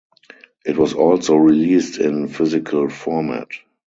It was also released in physical format.